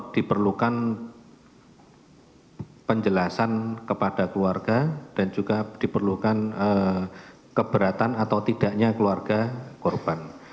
diperlukan penjelasan kepada keluarga dan juga diperlukan keberatan atau tidaknya keluarga korban